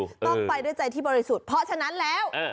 ต้องไปด้วยใจที่บริสุทธิ์เพราะฉะนั้นแล้ว